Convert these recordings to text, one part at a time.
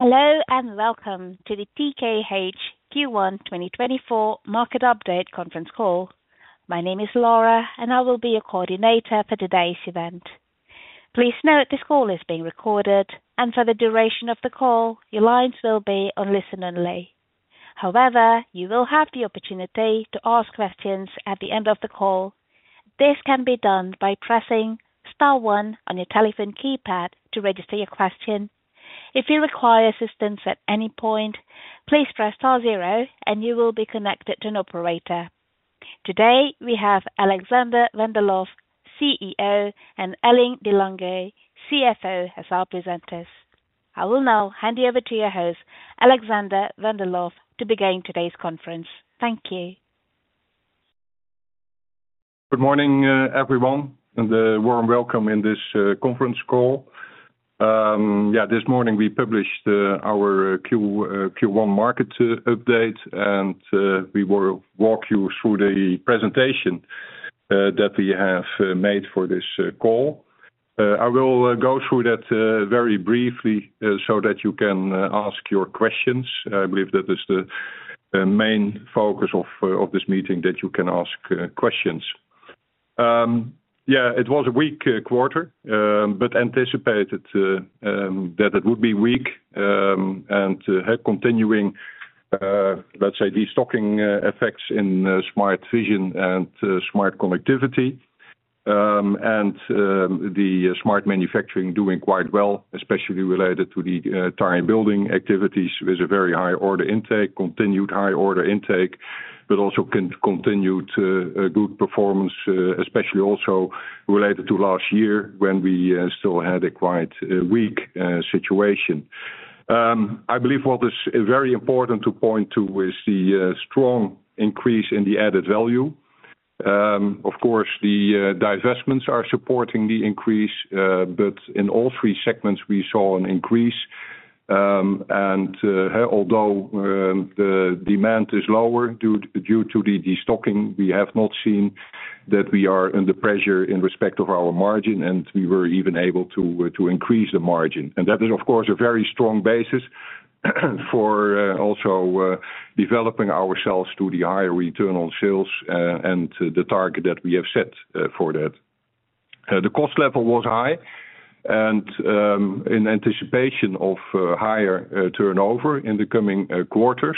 Hello and welcome to the TKH Q1 2024 Market Update Conference call. My name is Laura, and I will be your coordinator for today's event. Please note this call is being recorded, and for the duration of the call your lines will be on listen only. However, you will have the opportunity to ask questions at the end of the call. This can be done by pressing star one on your telephone keypad to register your question. If you require assistance at any point, please press star zero and you will be connected to an operator. Today we have Alexander van der Lof, CEO, and Elling de Lange, CFO, as our presenters. I will now hand you over to your host, Alexander van der Lof, to begin today's conference. Thank you. Good morning, everyone, and a warm welcome in this conference call. Yeah, this morning we published our Q1 market update, and we will walk you through the presentation that we have made for this call. I will go through that very briefly so that you can ask your questions. I believe that is the main focus of this meeting, that you can ask questions. Yeah, it was a weak quarter, but anticipated that it would be weak and continuing, let's say, the destocking effects in Smart Vision and Smart Connectivity. And the Smart Manufacturing doing quite well, especially related to the Tire Building activities with a very high order intake, continued high order intake, but also continued good performance, especially also related to last year when we still had a quite weak situation. I believe what is very important to point to is the strong increase in the added value. Of course, the divestments are supporting the increase, but in all three segments we saw an increase. Although the demand is lower due to the destocking, we have not seen that we are under pressure in respect of our margin, and we were even able to increase the margin. That is, of course, a very strong basis for also developing ourselves to the higher return on sales and the target that we have set for that. The cost level was high, and in anticipation of higher turnover in the coming quarters,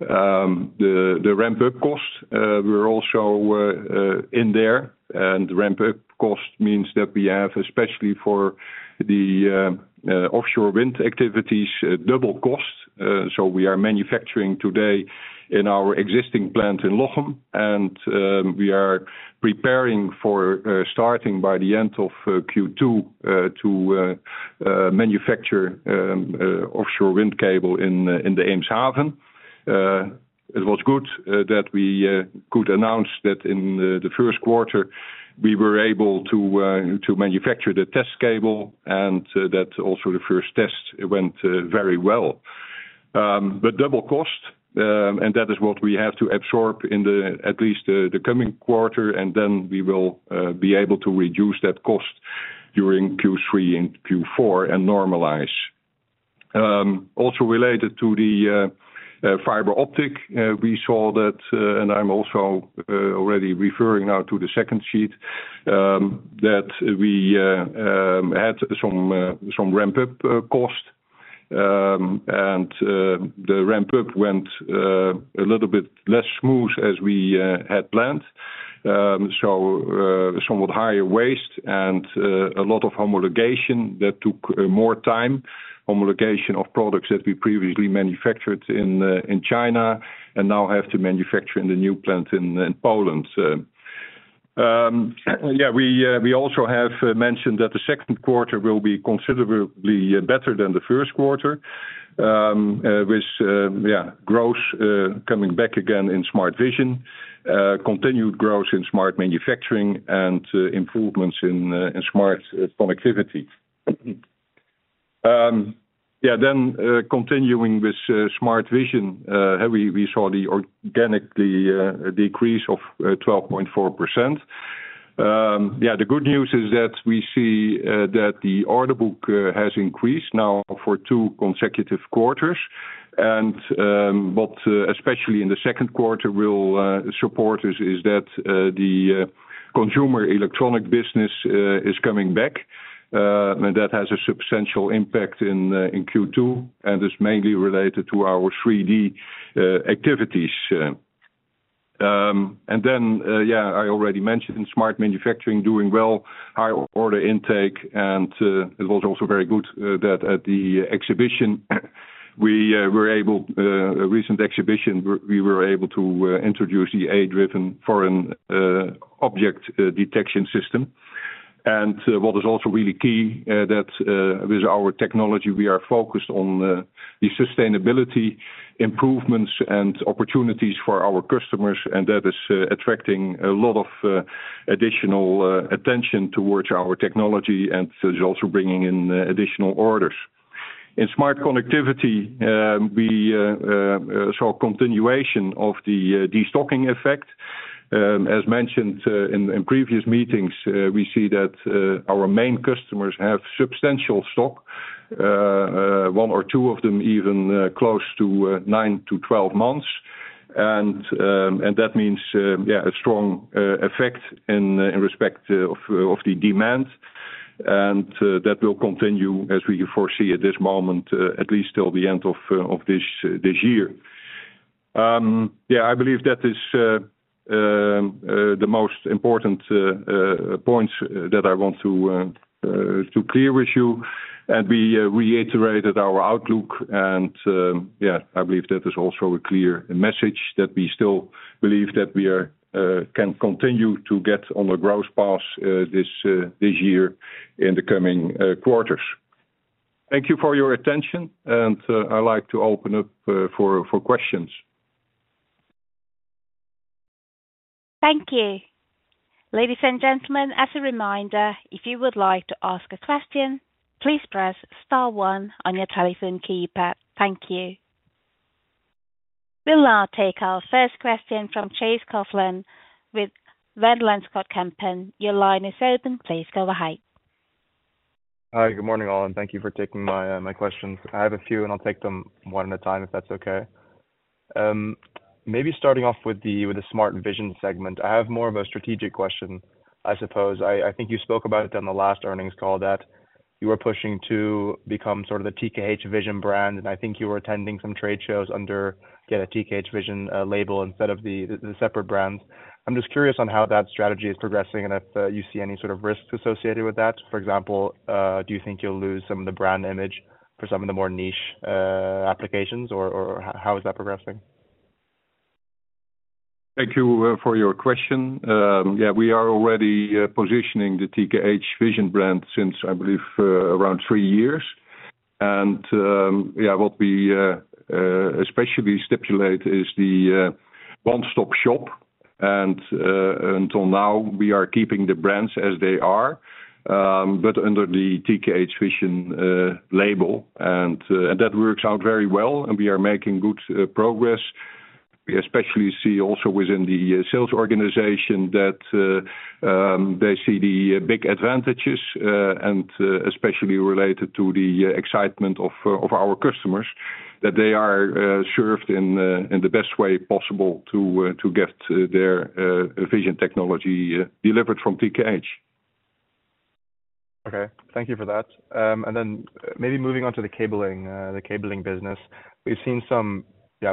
the ramp-up costs were also in there. Ramp-up cost means that we have, especially for the offshore wind activities, double cost. We are manufacturing today in our existing plant in Lochem, and we are preparing for starting by the end of Q2 to manufacture offshore wind cable in the Eemshaven. It was good that we could announce that in the first quarter we were able to manufacture the test cable, and that also the first test went very well. But double cost, and that is what we have to absorb in at least the coming quarter, and then we will be able to reduce that cost during Q3 and Q4 and normalize. Also related to the fiber optic, we saw that, and I'm also already referring now to the second sheet, that we had some ramp-up cost. And the ramp-up went a little bit less smooth as we had planned. So somewhat higher waste and a lot of homologation that took more time, homologation of products that we previously manufactured in China and now have to manufacture in the new plant in Poland. Yeah, we also have mentioned that the second quarter will be considerably better than the first quarter, with, yeah, growth coming back again in Smart Vision, continued growth in Smart Manufacturing, and improvements in Smart Connectivity. Yeah, then continuing with Smart Vision, we saw the organic decrease of 12.4%. Yeah, the good news is that we see that the order book has increased now for two consecutive quarters. And what especially in the second quarter will support us is that the consumer electronic business is coming back, and that has a substantial impact in Q2, and is mainly related to our 3D activities. And then, yeah, I already mentioned Smart Manufacturing doing well, high order intake, and it was also very good that at the recent exhibition we were able to introduce the AI-driven foreign object detection system. And what is also really key that with our technology we are focused on the sustainability improvements and opportunities for our customers, and that is attracting a lot of additional attention towards our technology and is also bringing in additional orders. In Smart Connectivity, we saw continuation of the destocking effect. As mentioned in previous meetings, we see that our main customers have substantial stock, one or two of them even close to 9-12 months. And that means, yeah, a strong effect in respect of the demand. And that will continue as we foresee at this moment, at least till the end of this year. Yeah, I believe that is the most important points that I want to clear with you. We reiterated our outlook, and yeah, I believe that is also a clear message that we still believe that we can continue to get on the growth path this year in the coming quarters. Thank you for your attention, and I'd like to open up for questions. Thank you. Ladies and gentlemen, as a reminder, if you would like to ask a question, please press star one on your telephone keypad. Thank you. We'll now take our first question from Chase Coughlan with Van Lanschot Kempen. Your line is open. Please go ahead. Hi, good morning, all, and thank you for taking my questions. I have a few, and I'll take them one at a time if that's okay. Maybe starting off with the Smart Vision segment, I have more of a strategic question, I suppose. I think you spoke about it on the last earnings call that you were pushing to become sort of the TKH Vision brand, and I think you were attending some trade shows under a TKH Vision label instead of the separate brands. I'm just curious on how that strategy is progressing and if you see any sort of risks associated with that. For example, do you think you'll lose some of the brand image for some of the more niche applications, or how is that progressing? Thank you for your question. Yeah, we are already positioning the TKH Vision brand since, I believe, around three years. And yeah, what we especially stipulate is the one-stop shop, and until now we are keeping the brands as they are, but under the TKH Vision label. And that works out very well, and we are making good progress. We especially see also within the sales organization that they see the big advantages, and especially related to the excitement of our customers, that they are served in the best way possible to get their vision technology delivered from TKH. Okay, thank you for that. And then maybe moving on to the cabling business. We've seen some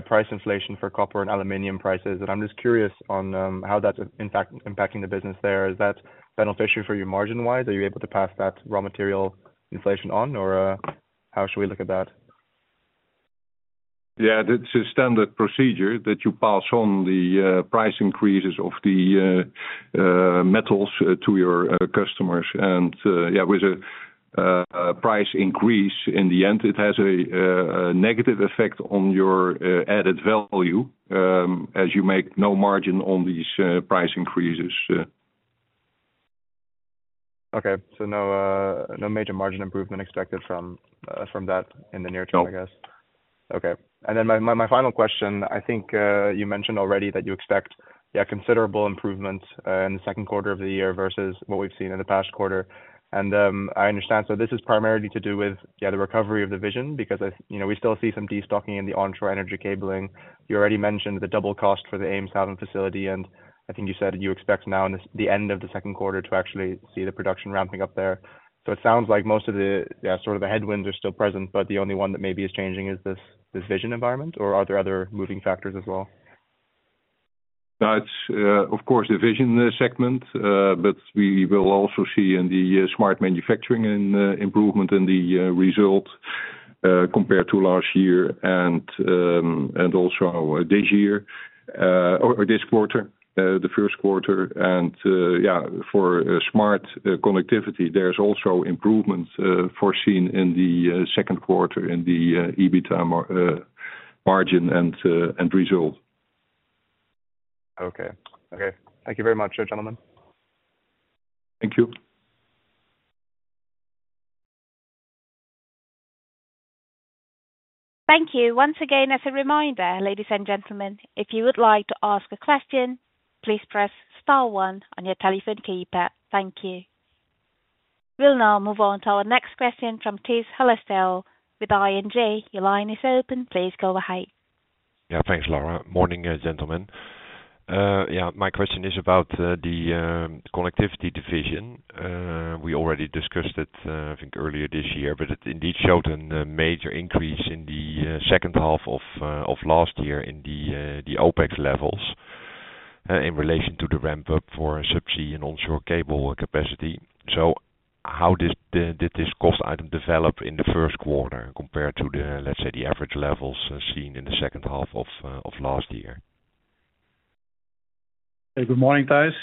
price inflation for copper and aluminum prices, and I'm just curious on how that's impacting the business there. Is that beneficial for you margin-wise? Are you able to pass that raw material inflation on, or how should we look at that? Yeah, it's a standard procedure that you pass on the price increases of the metals to your customers. Yeah, with a price increase in the end, it has a negative effect on your added value as you make no margin on these price increases. Okay, so no major margin improvement expected from that in the near term, I guess. No. Okay. And then my final question, I think you mentioned already that you expect considerable improvements in the second quarter of the year versus what we've seen in the past quarter. And I understand, so this is primarily to do with the recovery of the vision because we still see some destocking in the onshore energy cabling. You already mentioned the double cost for the Eemshaven facility, and I think you said you expect now in the end of the second quarter to actually see the production ramping up there. So it sounds like most of the sort of the headwinds are still present, but the only one that maybe is changing is this vision environment, or are there other moving factors as well? That's, of course, the vision segment, but we will also see in the Smart Manufacturing improvement in the result compared to last year and also this year or this quarter, the first quarter. Yeah, for Smart Connectivity, there's also improvements foreseen in the second quarter in the EBITDA margin and result. Okay. Okay. Thank you very much, gentlemen. Thank you. Thank you. Once again, as a reminder, ladies and gentlemen, if you would like to ask a question, please press star one on your telephone keypad. Thank you. We'll now move on to our next question from Tijs Hollestelle with ING. Your line is open. Please go ahead. Yeah, thanks, Laura. Morning, gentlemen. Yeah, my question is about the connectivity division. We already discussed it, I think, earlier this year, but it indeed showed a major increase in the second half of last year in the OpEx levels in relation to the ramp-up for subsea and onshore cable capacity. So how did this cost item develop in the first quarter compared to, let's say, the average levels seen in the second half of last year? Hey, good morning, Tijs.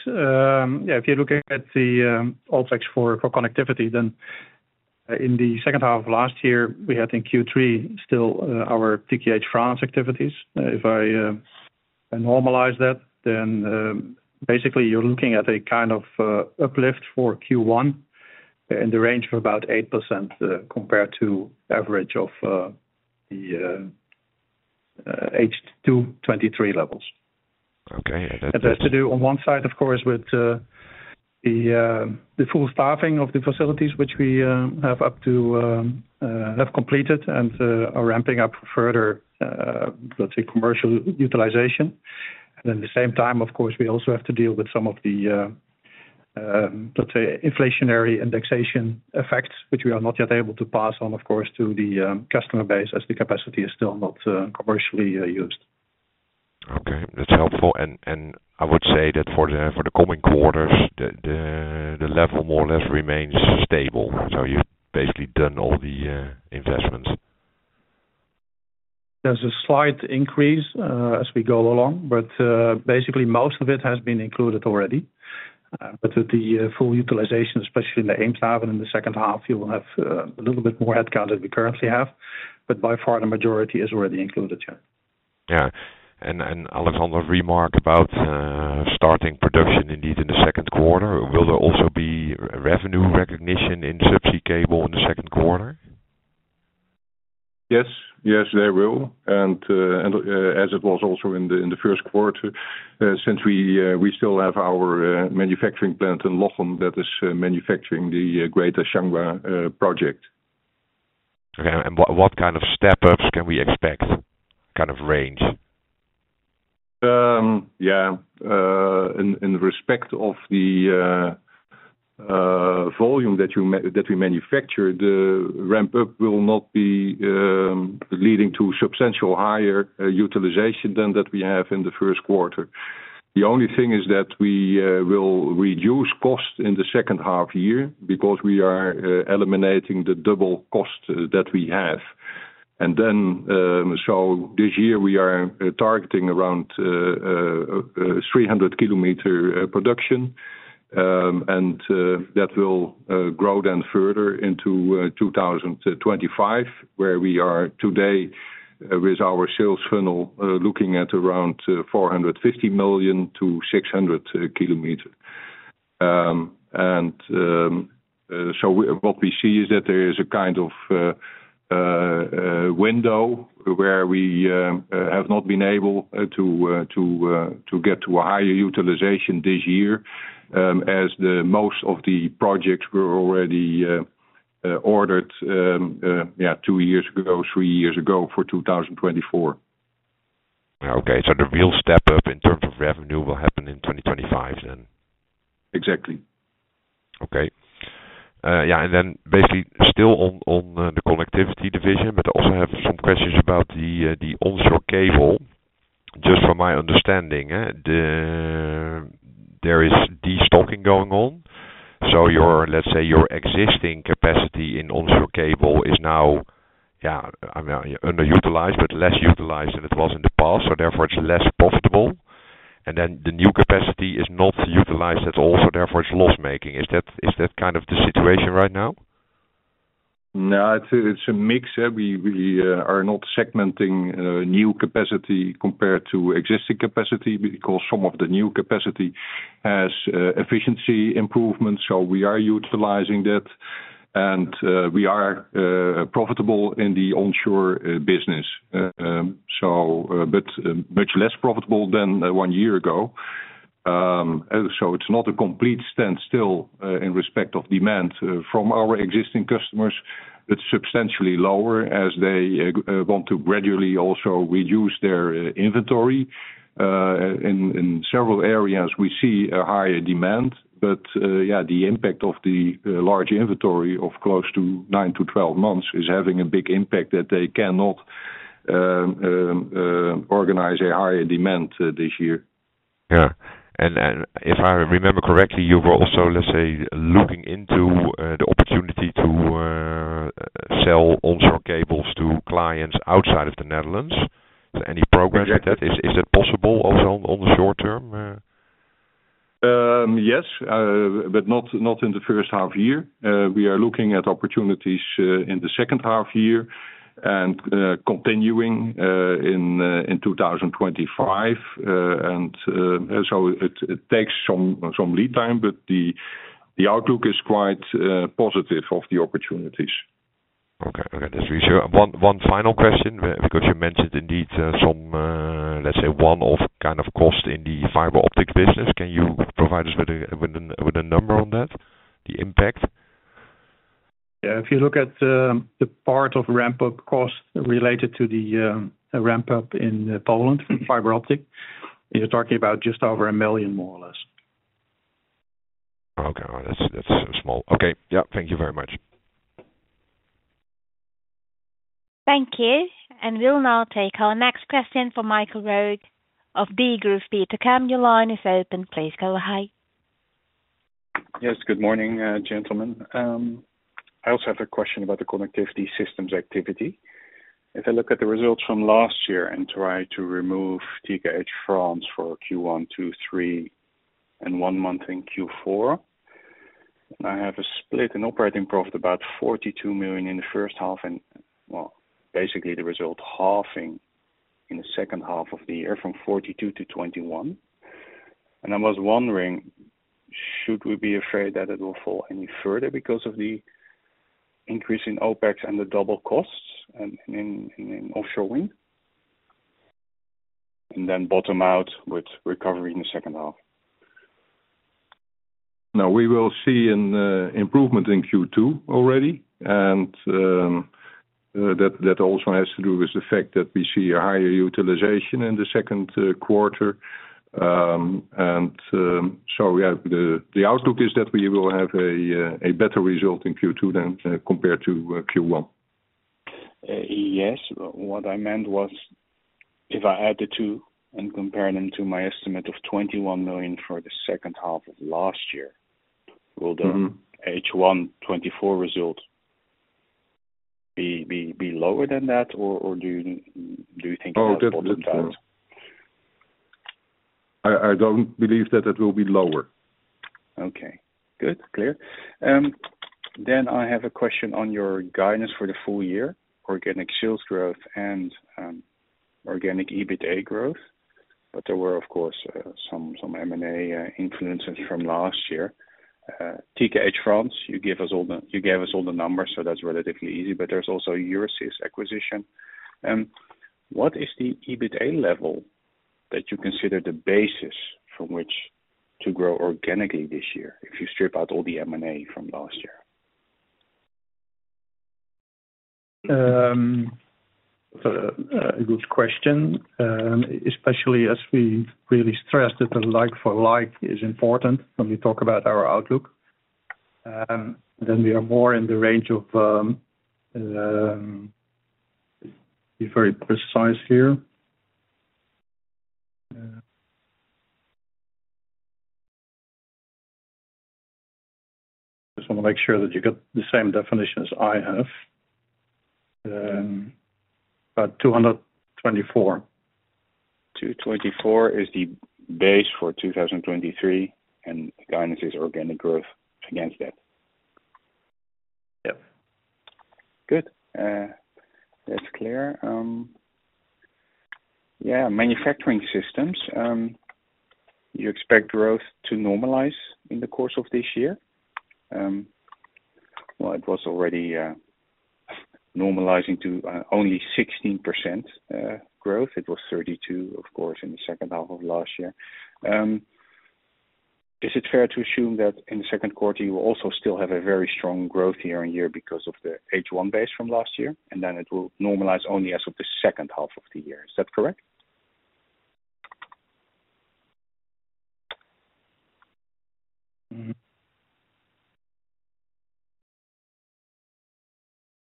Yeah, if you look at the OpEx for connectivity, then in the second half of last year, we had in Q3 still our TKH France activities. If I normalize that, then basically you're looking at a kind of uplift for Q1 in the range of about 8% compared to average of the H2 2023 levels. Okay. Yeah, that's. That's to do on one side, of course, with the full staffing of the facilities, which we have up to have completed and are ramping up further, let's say, commercial utilization. And at the same time, of course, we also have to deal with some of the, let's say, inflationary indexation effects, which we are not yet able to pass on, of course, to the customer base as the capacity is still not commercially used. Okay. That's helpful. And I would say that for the coming quarters, the level more or less remains stable. So you've basically done all the investments. There's a slight increase as we go along, but basically most of it has been included already. But with the full utilization, especially in the Eemshaven in the second half, you will have a little bit more headcount than we currently have. But by far, the majority is already included, yeah. Yeah. And Alexander's remark about starting production indeed in the second quarter, will there also be revenue recognition in Subsea cable in the second quarter? Yes. Yes, there will. And as it was also in the first quarter, since we still have our manufacturing plant in Lochem that is manufacturing the Greater Changhua project. Okay. And what kind of step-ups can we expect, kind of range? Yeah, in respect of the volume that we manufacture, the ramp-up will not be leading to substantial higher utilization than that we have in the first quarter. The only thing is that we will reduce cost in the second half year because we are eliminating the double cost that we have. And then so this year, we are targeting around 300 km production. And that will grow then further into 2025, where we are today with our sales funnel looking at around 450 million to 600 km. And so what we see is that there is a kind of window where we have not been able to get to a higher utilization this year as most of the projects were already ordered, yeah, two years ago, three years ago for 2024. Okay. So the real step-up in terms of revenue will happen in 2025 then. Exactly. Okay. Yeah. And then basically still on the connectivity division, but I also have some questions about the onshore cable. Just from my understanding, there is destocking going on. So let's say your existing capacity in onshore cable is now, yeah, underutilized, but less utilized than it was in the past. So therefore, it's less profitable. And then the new capacity is not utilized at all, so therefore, it's loss-making. Is that kind of the situation right now? No, it's a mix. We are not segmenting new capacity compared to existing capacity because some of the new capacity has efficiency improvements. So we are utilizing that. And we are profitable in the onshore business, but much less profitable than one year ago. So it's not a complete standstill in respect of demand from our existing customers. It's substantially lower as they want to gradually also reduce their inventory. In several areas, we see a higher demand. But yeah, the impact of the large inventory of close to 9-12 months is having a big impact that they cannot organize a higher demand this year. Yeah. If I remember correctly, you were also, let's say, looking into the opportunity to sell onshore cables to clients outside of the Netherlands. Is there any progress with that? Is that possible also on the short term? Yes, but not in the first half year. We are looking at opportunities in the second half year and continuing in 2025. So it takes some lead time, but the outlook is quite positive of the opportunities. Okay. Okay. That's reassuring. One final question because you mentioned indeed some, let's say, one-off kind of cost in the fiber optics business. Can you provide us with a number on that, the impact? Yeah, if you look at the part of ramp-up cost related to the ramp-up in Poland for fiber optic, you're talking about just over 1 million, more or less. Okay. That's small. Okay. Yeah, thank you very much. Thank you. We'll now take our next question from Michael Roeg of Degroof Petercam. Your line is open. Please go ahead. Yes, good morning, gentlemen. I also have a question about the connectivity systems activity. If I look at the results from last year and try to remove TKH France for Q1, Q2, Q3, and one month in Q4, and I have a split in operating profit about 42 million in the first half and, well, basically the result halving in the second half of the year from 42 million to 21 million. And I was wondering, should we be afraid that it will fall any further because of the increase in OpEx and the double costs in offshore wind? And then bottom out with recovery in the second half. No, we will see an improvement in Q2 already. And that also has to do with the fact that we see a higher utilization in the second quarter. And so yeah, the outlook is that we will have a better result in Q2 than compared to Q1. Yes. What I meant was if I add the two and compare them to my estimate of 21 million for the second half of last year, will the H1 2024 result be lower than that, or do you think it will be the same? Oh, I don't believe that it will be lower. Okay. Good. Clear. Then I have a question on your guidance for the full year, organic sales growth and organic EBITDA growth. But there were, of course, some M&A influences from last year. TKH France, you gave us all the numbers, so that's relatively easy. But there's also Euresys acquisition. What is the EBITDA level that you consider the basis from which to grow organically this year if you strip out all the M&A from last year? That's a good question, especially as we really stressed that the like-for-like is important when we talk about our outlook. Then we are more in the range of be very precise here. I just want to make sure that you got the same definition as I have. About 224 million. 224 million is the base for 2023, and guidance is organic growth against that. Yep. Good. That's clear. Yeah, manufacturing systems, you expect growth to normalize in the course of this year? Well, it was already normalizing to only 16% growth. It was 32%, of course, in the second half of last year. Is it fair to assume that in the second quarter, you will also still have a very strong growth year on year because of the H1 base from last year, and then it will normalize only as of the second half of the year? Is that correct?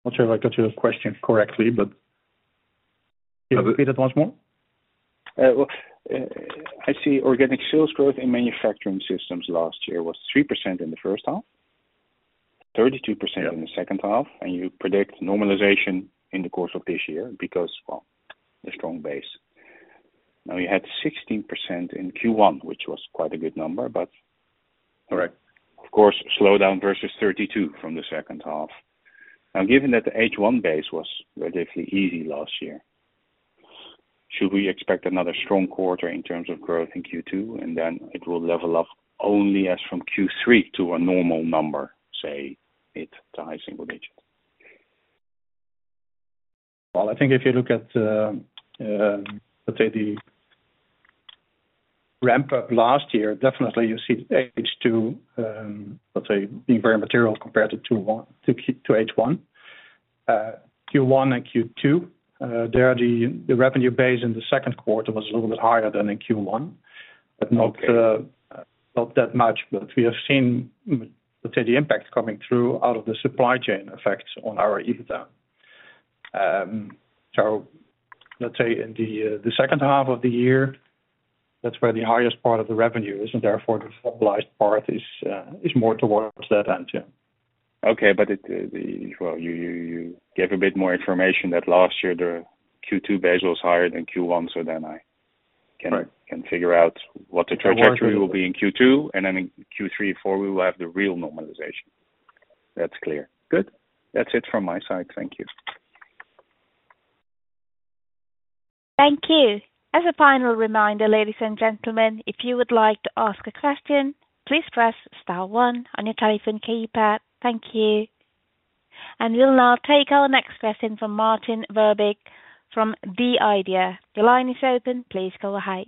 Not sure if I got your question correctly, but yeah. Repeat it once more. I see organic sales growth in manufacturing systems last year was 3% in the first half, 32% in the second half, and you predict normalization in the course of this year because, well, a strong base. Now, you had 16% in Q1, which was quite a good number, but of course, slowdown versus 32 from the second half. Now, given that the H1 base was relatively easy last year, should we expect another strong quarter in terms of growth in Q2, and then it will level up only as from Q3 to a normal number, say, it to high single digits? Well, I think if you look at, let's say, the ramp-up last year, definitely you see H2, let's say, being very material compared to H1. Q1 and Q2, the revenue base in the second quarter was a little bit higher than in Q1, but not that much. But we have seen, let's say, the impact coming through out of the supply chain effects on our EBITDA. So let's say in the second half of the year, that's where the highest part of the revenue is, and therefore, the mobilized part is more towards that end, yeah. Okay. But well, you gave a bit more information that last year, the Q2 base was higher than Q1, so then I can figure out what the trajectory will be in Q2. And then in Q3, Q4, we will have the real normalization. That's clear. Good. That's it from my side. Thank you. Thank you. As a final reminder, ladies and gentlemen, if you would like to ask a question, please press star one on your telephone keypad. Thank you. We'll now take our next question from Maarten Verbeek from the IDEA!. The line is open. Please go ahead.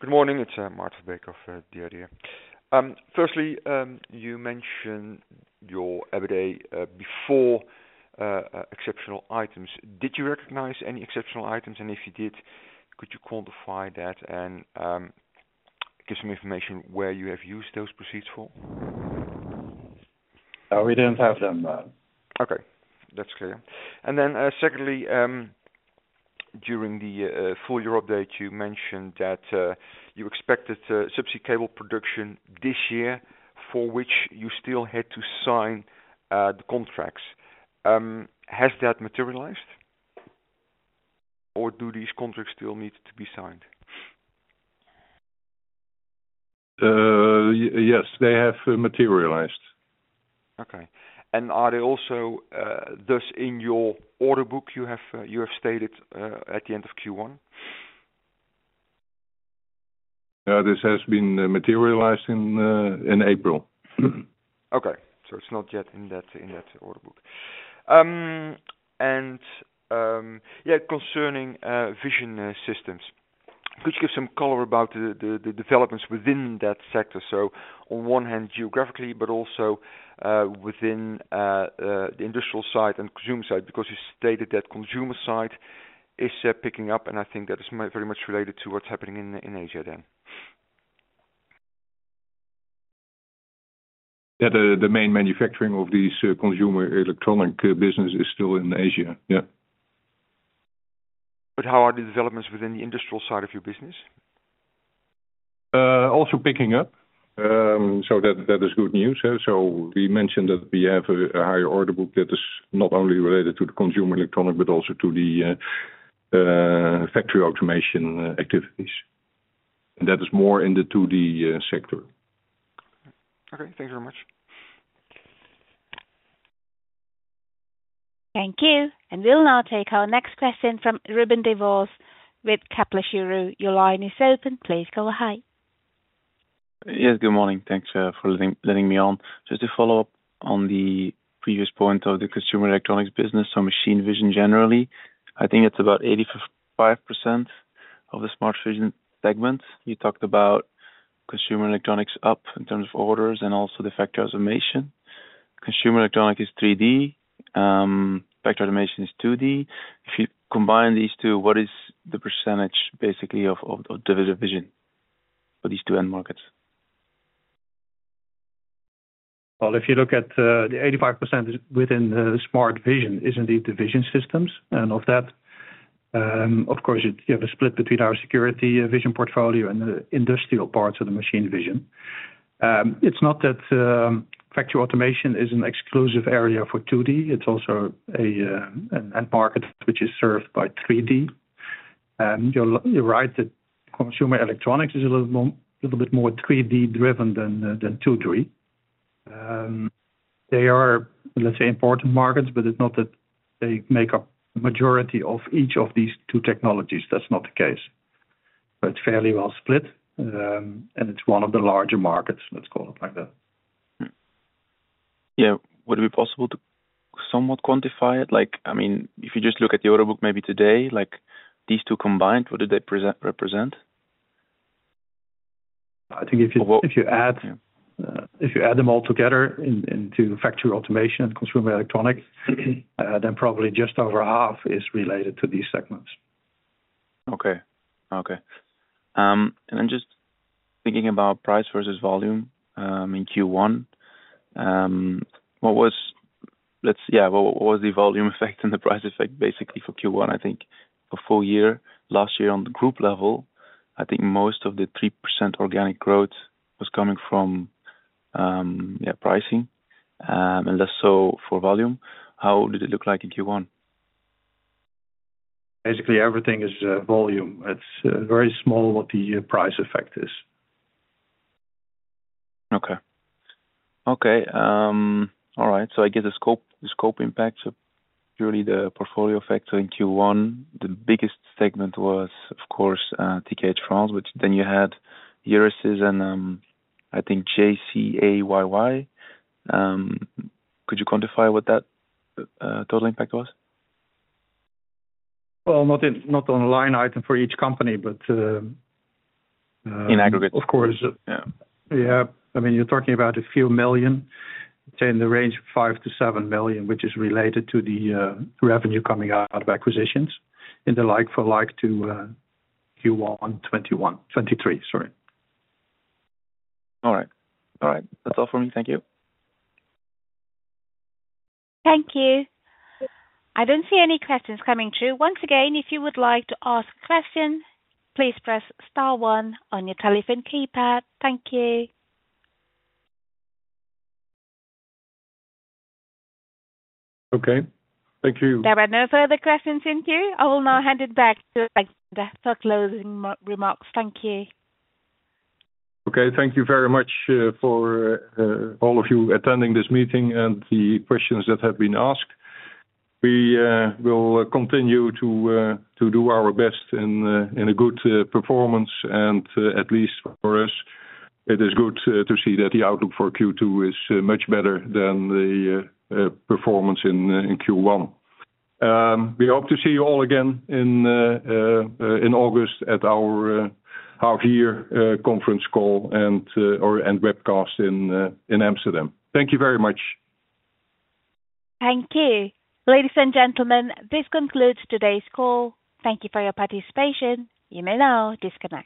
Good morning. It's Maarten Verbeek of the IDEA!. Firstly, you mentioned your EBITDA before exceptional items. Did you recognize any exceptional items? If you did, could you quantify that and give some information where you have used those proceeds for? No, we didn't have them. Okay. That's clear. And then secondly, during the full year update, you mentioned that you expected subsea cable production this year for which you still had to sign the contracts. Has that materialized, or do these contracts still need to be signed? Yes, they have materialized. Okay. And are they also thus in your order book you have stated at the end of Q1? No, this has been materialized in April. Okay. So it's not yet in that order book. Yeah, concerning vision systems, could you give some color about the developments within that sector? So on one hand, geographically, but also within the industrial side and consumer side because you stated that consumer side is picking up, and I think that is very much related to what's happening in Asia then. Yeah, the main manufacturing of this consumer electronic business is still in Asia. Yeah. But how are the developments within the industrial side of your business? Also picking up. That is good news. We mentioned that we have a higher order book that is not only related to the consumer electronics, but also to the factory automation activities. That is more in the 2D sector. Okay. Thanks very much. Thank you. And we'll now take our next question from Ruben Devos with Kepler Cheuvreux. Your line is open. Please go ahead. Yes, good morning. Thanks for letting me on. Just to follow up on the previous point of the consumer electronics business, so machine vision generally, I think it's about 85% of the Smart Vision segment. You talked about consumer electronics up in terms of orders and also the factory automation. Consumer electronics is 3D. Factory automation is 2D. If you combine these two, what is the percentage basically of the vision for these two end markets? Well, if you look at the 85% within Smart Vision is indeed the vision systems. And of that, of course, you have a split between our security vision portfolio and the industrial parts of the machine vision. It's not that factory automation is an exclusive area for 2D. It's also an end market which is served by 3D. You're right that consumer electronics is a little bit more 3D-driven than 2D. They are, let's say, important markets, but it's not that they make up the majority of each of these two technologies. That's not the case. So it's fairly well split, and it's one of the larger markets. Let's call it like that. Yeah. Would it be possible to somewhat quantify it? I mean, if you just look at the order book maybe today, these two combined, what do they represent? I think if you add them all together into factory automation and consumer electronics, then probably just over half is related to these segments. Okay. Okay. And then just thinking about price versus volume in Q1, yeah, what was the volume effect and the price effect basically for Q1, I think, for full year? Last year, on the group level, I think most of the 3% organic growth was coming from pricing and less so for volume. How did it look like in Q1? Basically, everything is volume. It's very small what the price effect is. Okay. Okay. All right. So I get the scope impact. So purely the portfolio factor in Q1, the biggest segment was, of course, TKH France, which then you had Euresys and I think JCAII. Could you quantify what that total impact was? Well, not on line item for each company, but. In aggregate. Of course. Yeah. I mean, you're talking about a few million, say, in the range of 5 million-EUR7 million, which is related to the revenue coming out of acquisitions in the like-for-like to Q1 2021 2023. Sorry. All right. All right. That's all from me. Thank you. Thank you. I don't see any questions coming through. Once again, if you would like to ask a question, please press star one on your telephone keypad. Thank you. Okay. Thank you. There are no further questions in queue. I will now hand it back to Alexander for closing remarks. Thank you. Okay. Thank you very much for all of you attending this meeting and the questions that have been asked. We will continue to do our best in a good performance. At least for us, it is good to see that the outlook for Q2 is much better than the performance in Q1. We hope to see you all again in August at our half-year conference call or webcast in Amsterdam. Thank you very much. Thank you. Ladies and gentlemen, this concludes today's call. Thank you for your participation. You may now disconnect.